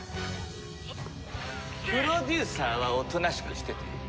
プロデューサーはおとなしくしてて。